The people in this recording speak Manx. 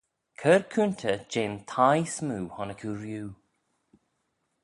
Cur coontey jeh'n thie smoo honnick oo rieau.